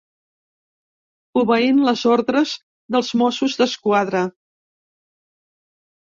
Obeint les ordres dels Mossos d'Esquadra.